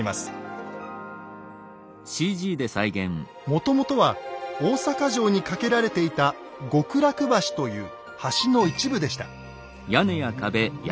もともとは大坂城に架けられていた「極楽橋」という橋の一部でした。